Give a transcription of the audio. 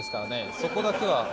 そこだけは。